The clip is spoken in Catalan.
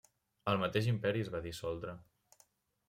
El mateix Imperi es va dissoldre.